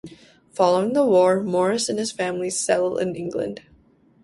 Following the war, Morris and his family settled in England.